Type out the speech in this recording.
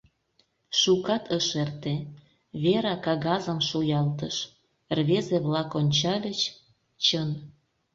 Шукат ыш эрте, Вера кагазым шуялтыш, рвезе-влак ончальыч — чын.